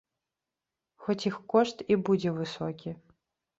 Хоць іх кошт і будзе высокі.